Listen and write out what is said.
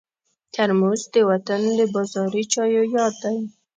ترموز د وطن د بازاري چایو یاد دی.